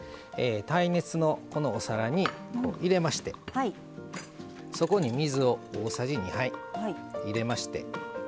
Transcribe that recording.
耐熱のお皿に入れましてそこに水を大さじ２杯入れまして。